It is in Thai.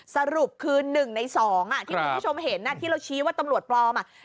สรุปคือ๑ใน๒ที่คุณผู้ชมเห็นที่เราชี้ว่าตำรวจปลอม